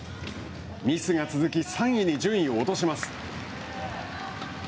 ミスが続き、３位に順位を落とします。